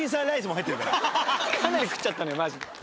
かなり食っちゃったのよマジで。